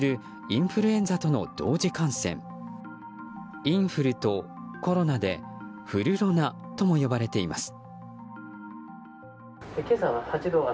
インフルとコロナでフルロナとも呼ばれています。